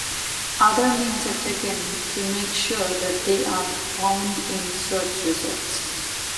Other means are taken to make sure that they are found in search results.